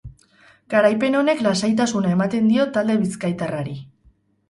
Garaipen honek lasaitasuna ematen dio talde bizkaitarrari.